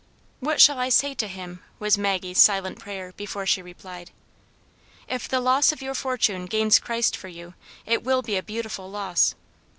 " What shall I say to him }" was Maggie's silent prayer before she replied. " If the loss of your fortune gains Christ for you, it will be a beautiful loss."